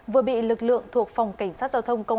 vừa bị lực lượng thuộc phòng cảnh sát giao thông công an